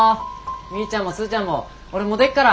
みーちゃんもスーちゃんも俺もう出っから！